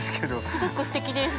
すごくすてきです。